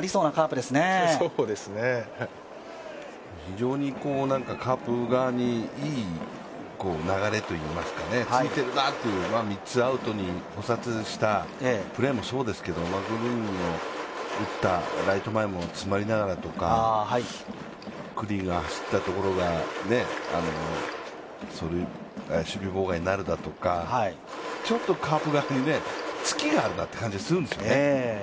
非常にカープ側にいい流れといいますか、ツイてるなと、３つアウトに捕殺したプレーもそうですけど、マクブルームの打ったライト前の詰まりながらとか、九里が走ったところが守備妨害になるだとか、ちょっとカープ側にツキがあるなという感じがするんですよね。